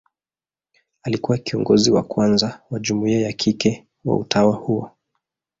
Alikuwa kiongozi wa kwanza wa jumuia ya kike wa utawa huo.